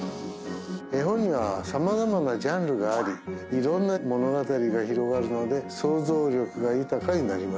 絵本には様々なジャンルがあり色んな物語が広がるので想像力が豊かになります